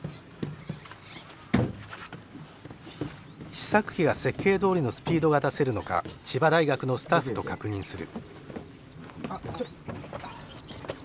試作機が設計どおりのスピードが出せるのか千葉大学のスタッフと確認する。